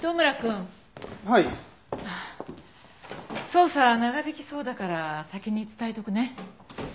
捜査長引きそうだから先に伝えとくね。